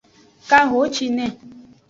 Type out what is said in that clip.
Kahocine.